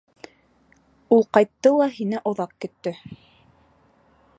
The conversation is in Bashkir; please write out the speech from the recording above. — Ул ҡайтты ла һине оҙаҡ көттө.